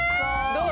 どう？